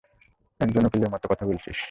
একজন উকিলের মতো কথা বলেছিস।